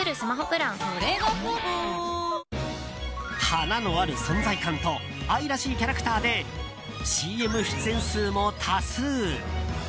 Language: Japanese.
華のある存在感と愛らしいキャラクターでＣＭ出演数も多数。